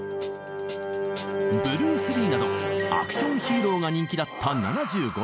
ブルース・リーなどアクション・ヒーローが人気だった７５年。